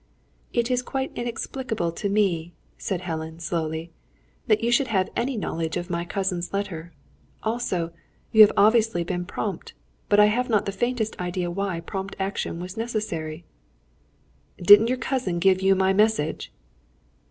"It is quite inexplicable to me," said Helen, slowly, "that you should have any knowledge of my cousin's letter. Also, you have obviously been prompt, but I have not the faintest idea why prompt action was necessary." "Didn't your cousin give you my message?"